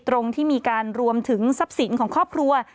ตรงที่มีการรวมถึงทรัพย์สินของครอบครัว